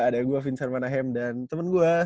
ada gue vincent manahem dan teman gue